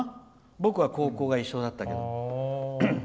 僕は高校が一緒だったけど。